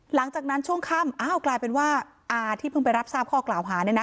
หลังจากนั้นช่วงค่ำอ้าวกลายเป็นว่าอาที่เพิ่งไปรับทราบข้อกล่าวหาเนี่ยนะ